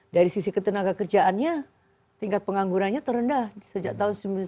dari sisi ketenaga kerjaannya tingkat penganggurannya terendah sejak tahun seribu sembilan ratus sembilan puluh